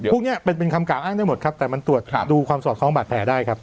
พวกนี้เป็นคำกล่าวอ้างได้หมดครับแต่มันตรวจดูความสอดคล้องบาดแผลได้ครับ